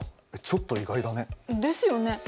ちょっと意外だね。ですよね。